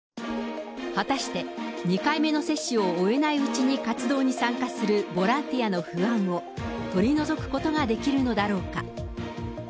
果たして、２回目の接種を終えないうちに活動に参加するボランティアの不安を、取り除くことができるのだろうか。